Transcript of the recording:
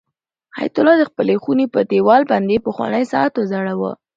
حیات الله د خپلې خونې په دېوال باندې پخوانی ساعت وځړاوه.